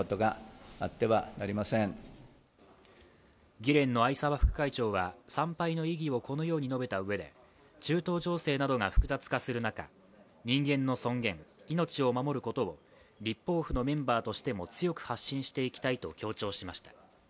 議連の逢沢副会長は参拝の意義をこのように述べたうえで中東情勢などが複雑化する中人間の尊厳、命を守ることを立法府のメンバーとしても強く発信していきたいと強調しました。